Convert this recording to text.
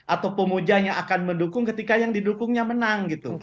atau pemujanya akan mendukung ketika yang didukungnya menang gitu